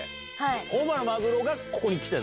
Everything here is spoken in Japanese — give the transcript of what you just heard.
大間のマグロがここに来てるの？